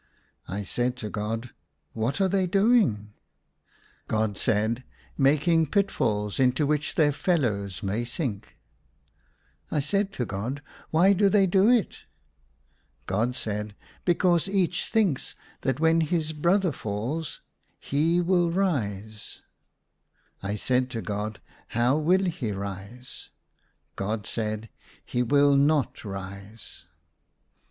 I said to God, *' What are they doing ?" God said, " Making pitfalls into which their fellows may sink." I said to God, " Why do they do it?" God said, '* Because each thinks that when his brother falls he will rise." I said to God, " How will he rise ?" God said, " He will not rise."